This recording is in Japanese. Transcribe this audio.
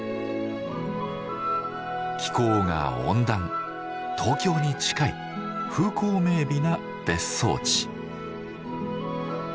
気候が温暖東京に近い風光明美な別荘地。